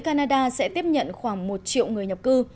canada sẽ tiếp nhận khoảng một triệu người nhập cư